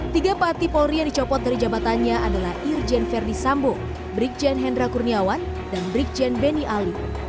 tiga pati polri yang dicopot dari jabatannya adalah irjen verdi sambo brigjen hendra kurniawan dan brigjen beni ali